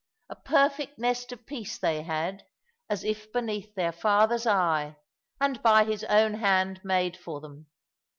A perfect nest of peace they had, as if beneath their Father's eye, and by His own hand made for them.